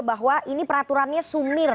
bahwa ini peraturannya sumir